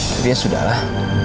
tapi ya sudahlah